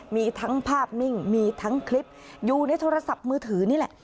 มีทั้งภาพนิ่งมีทั้งคลิปอยู่ในโทรศัพท์มือถือนี่แหละ